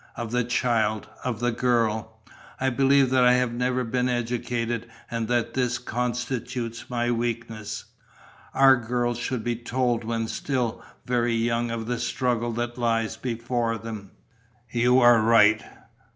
"Of the child, of the girl." "I believe that I have never been educated and that this constitutes my weakness." "Our girls should be told when still very young of the struggle that lies before them." "You are right.